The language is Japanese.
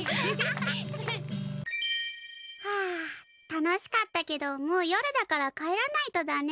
はあ楽しかったけどもう夜だから帰らないとだね。